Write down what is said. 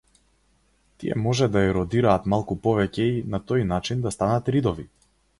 Тие може да еродираат малку повеќе и, на тој начин, да станат ридови.